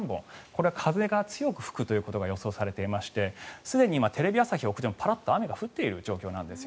これは風が強く吹くということが予想されていましてすでにテレビ朝日屋上もパラッと雨が降っている状況なんです。